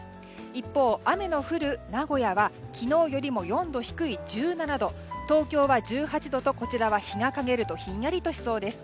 一方、雨の降る名古屋は昨日よりも４度低い１７度東京は１８度とこちらは日がかげるとひんやりとしそうです。